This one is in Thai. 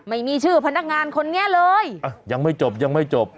ไม่มีชื่อพนักงานคนนี้เลยอ่ะยังไม่จบยังไม่จบ